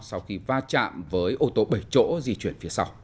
sau khi va chạm với ô tô bảy chỗ di chuyển